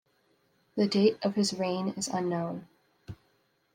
The date of his reign is unknown.